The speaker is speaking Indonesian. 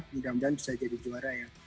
mudah mudahan bisa jadi juara ya